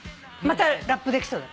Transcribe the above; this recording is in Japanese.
またラップできそう。